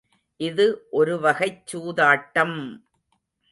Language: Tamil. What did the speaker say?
இது ஒருவகைச் சூதாட்டம்!